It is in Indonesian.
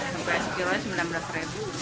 kompleks kilonya rp sembilan belas